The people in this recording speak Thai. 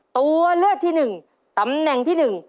ตัวเลือดที่หนึ่งตำแหน่งที่หนึ่ง